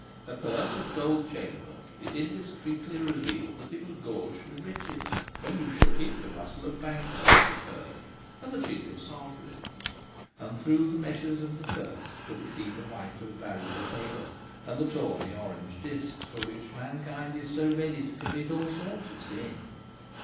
A purse of gold chain work, it indiscreetly revealed that it was gorged with riches. When you shook it the rustle of banknotes was heard, and the chink of sovereigns, and through the meshes of the purse could be seen the white of valuable paper and the tawny orange discs for which mankind is so ready to commit all sorts of sin.